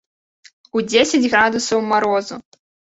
У дзесяць градусаў марозу!